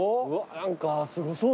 何かすごそう。